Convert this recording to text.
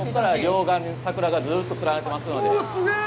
両岸に桜がずっとつながってますので。